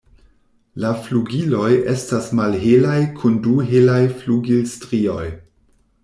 La flugiloj estas malhelaj kun du helaj flugilstrioj.